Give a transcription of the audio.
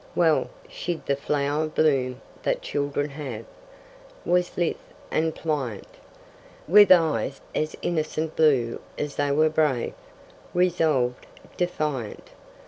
Well, she'd the flower bloom that children have, Was lithe and pliant, With eyes as innocent blue as they were brave, Resolved, defiant.